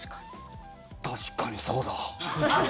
確かにそうだ。